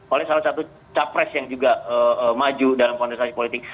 oleh salah satu capres yang juga maju dalam kontestasi politik